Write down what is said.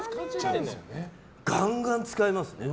ガンガン使いますね。